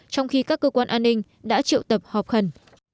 trong khi các cơ quan an ninh đã triệu tập họp khẩn